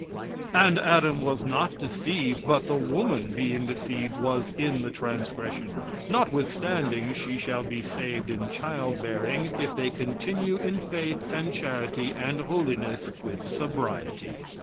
"And Adam was not deceived, but the woman being deceived was in the transgression. Notwithstanding she shall be saved in child bearing if they continue in faith and charity and holiness with sobriety."